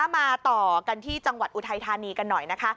มาต่อกันที่จังหวัดอุทัยธานีกันหน่อยนะคะ